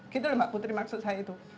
gitu loh mbak putri maksud saya itu